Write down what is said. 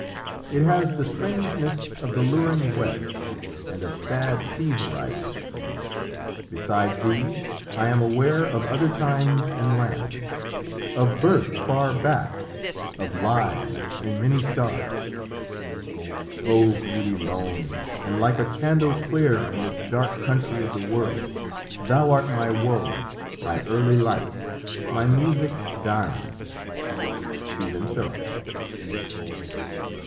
It has the strangeness of the luring West, And of sad sea horizons; beside thee I am aware of other times and lands, Of birth far back, of lives in many stars. O beauty lone and like a candle clear In this dark country of the world! Thou art My woe, my early light, my music dying." Stephen Phillips.